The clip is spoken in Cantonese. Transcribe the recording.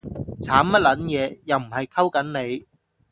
慘乜撚嘢？，又唔係溝緊你